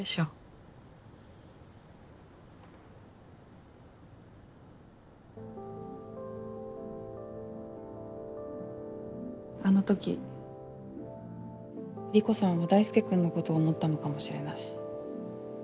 現在あの時理子さんは大輔君のことを思ったのかもしれない。